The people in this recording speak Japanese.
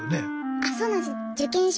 あそうなんです。